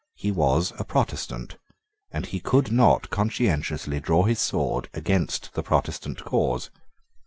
He was a Protestant; and he could not conscientiously draw his sword against the Protestant cause.